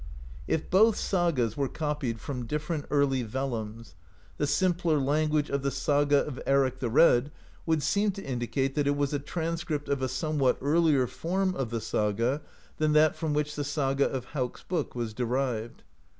If both sagas were copied from different early vellums, the simpler language of the Saga of Eric the Red would seem to indicate that it was a transcript of a somewhat earlier form of the saga than that from which the saga of Hauk's Book was derived.